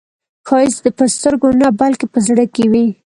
ښایست په سترګو نه، بلکې په زړه کې وي